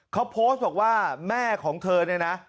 เขาโพสต์บอกว่าแม่ของเธอเนี่ยนะ